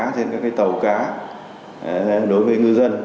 trên các tàu cá đối với ngư dân